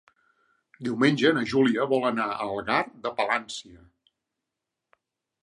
Diumenge na Júlia vol anar a Algar de Palància.